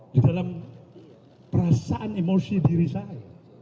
di dalam perasaan emosi diri saya